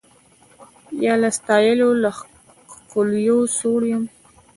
یا له ستایلو د ښکلیو سوړ یم